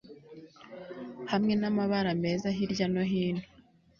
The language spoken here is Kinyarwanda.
hamwe n'amabara meza hirya no hino